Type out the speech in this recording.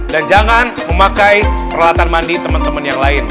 dan jangan memakai peralatan mandi teman teman yang lain